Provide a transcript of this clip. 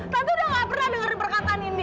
tante udah gak pernah dengerin perkataan indi